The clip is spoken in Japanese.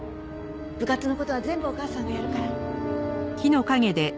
部活の事は全部お母さんがやるから。